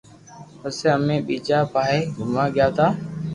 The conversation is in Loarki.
پسي امي ٻيجا پاھي گوموا گيا تا